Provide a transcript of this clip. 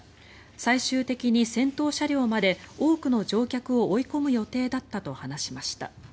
最終的に先頭車両まで多くの乗客を追い込む予定だったと話しました。